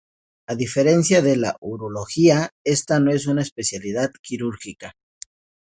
A diferencia de la urología, esta no es una especialidad quirúrgica.